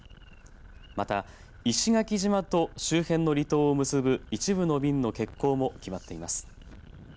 また、石垣島と周辺の離島を結ぶ一部の便の欠航も決まっています。